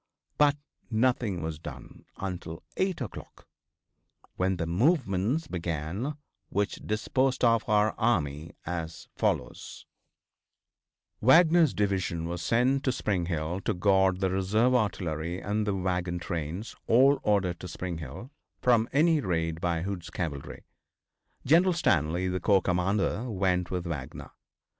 But nothing was done until 8 o'clock, when the movements began which disposed of our army as follows: Wagner's division was sent to Spring Hill to guard the reserve artillery and the wagon trains, all ordered to Spring Hill, from any raid by Hood's cavalry. General Stanley, the corps commander, went with Wagner.